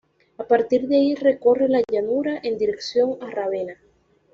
A partir de ahí, recorre la llanura en dirección a Rávena.